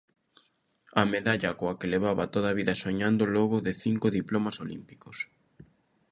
A medalla coa que levaba toda a vida soñando logo de cinco diplomas olímpicos.